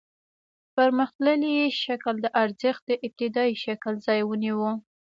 پرمختللي شکل د ارزښت د ابتدايي شکل ځای ونیو